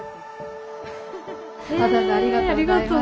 ありがとうございます。